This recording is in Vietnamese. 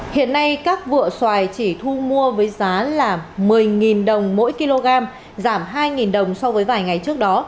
hiện nay các vựa xoài chỉ thu mua với giá là một mươi đồng mỗi kg giảm hai đồng so với vài ngày trước đó